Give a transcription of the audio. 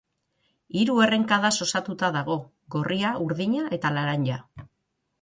Hiru errenkadaz osatuta dago, gorria, urdina eta laranja.